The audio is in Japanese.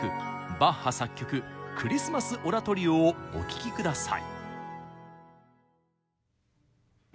バッハ作曲「クリスマス・オラトリオ」をお聴き下さい。